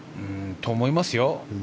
と、思いますよ。